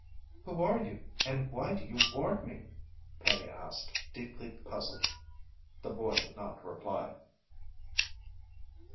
"Who are you and why do you warn me?" Penny asked, deeply puzzled. The boy did not reply.